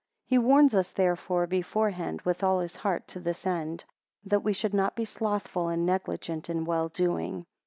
4 He warns us therefore beforehand, with all his heart to this end, that we should not be slothful and negligent in well doing.